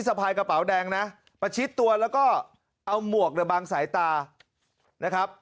สะพายกระเป๋าแดงนะประชิดตัวแล้วก็เอาหมวกในบางสายตานะครับ